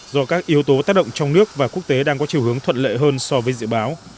do các yếu tố tác động trong nước và quốc tế đang có chiều hướng thuận lệ hơn so với dự báo